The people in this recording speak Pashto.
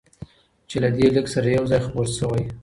چې له دې لیک سره یو ځای خپور شوی،